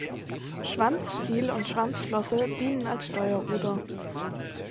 Schwanzstiel und Schwanzflosse dienen als Steuerruder.